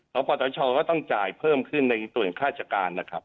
สปตชก็ต้องจ่ายเพิ่มขึ้นในส่วนข้าราชการนะครับ